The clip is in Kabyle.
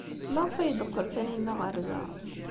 Maɣef ay d-teqqel Taninna ɣer da?